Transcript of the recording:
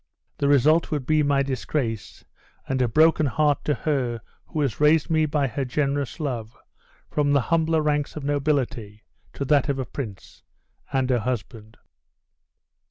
The result would be my disgrace, and a broken heart to her who has raised me by her generous love from the humbler ranks of nobility to that of a prince, and her husband."